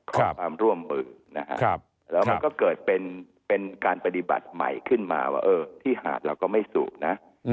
ขอความร่วมมือนะครับแล้วมันก็เกิดเป็นการปฏิบัติใหม่ขึ้นมาว่าที่หาดเราก็ไม่สูบนะ